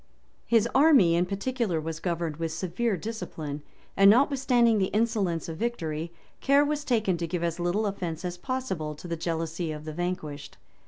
] His army in particular was governed with severe discipline; and notwithstanding the insolence of victory, care was taken to give as little offence as possible to the jealousy of the vanquished.